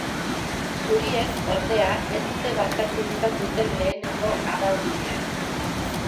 Zuriek, ordea, ez dute barkatu izan duten lehenengoa abagunean.